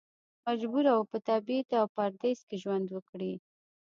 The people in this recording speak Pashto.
مجبور و په تبعید او پردیس کې ژوند وکړي.